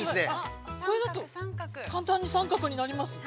◆これだと簡単に三角になります。